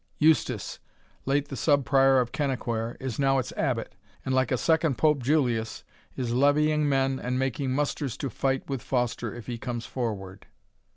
Eustace, late the Sub Prior of Kennaquhair, is now its Abbot, and, like a second Pope Julius, is levying men and making musters to fight with Foster if he comes forward."